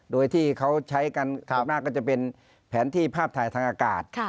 โดยที่เขาใช้กันส่วนมากก็จะเป็นแผนที่ภาพถ่ายทางอากาศ